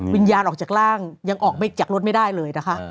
วิญญาณออกจากร่างยังออกไปจากรถไม่ได้เลยนะคะ